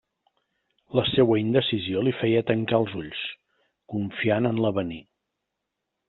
La seua indecisió li feia tancar els ulls, confiant en l'avenir.